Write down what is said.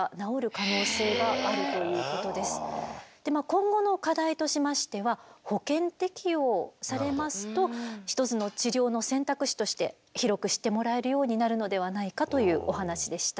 今後の課題としましては保険適用されますと一つの治療の選択肢として広く知ってもらえるようになるのではないかというお話でした。